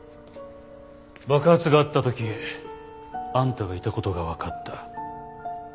爆発があった時あんたがいた事がわかった。